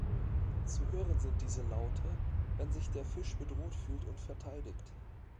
Zu hören sind diese Laute, wenn sich der Fisch bedroht fühlt und verteidigt.